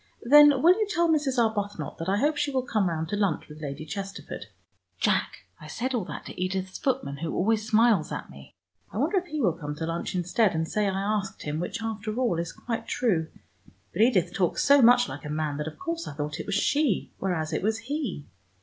"Then will you tell Mrs. Arbuthnot that I hope she will come round to lunch with Lady Chesterford. Jack, I said all that to Edith's footman, who always smiles at me. I wonder if he will come to lunch instead, and say I asked him, which after all is quite true. But Edith talks so much like a man, that of course I thought it was she, whereas it was he.